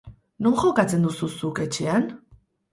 Non jokatzen duzu zuk etxean?